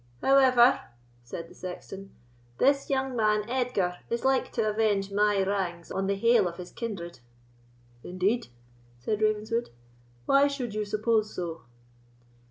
"However," said the sexton, "this young man Edgar is like to avenge my wrangs on the haill of his kindred." "Indeed?" said Ravenswood; "why should you suppose so?"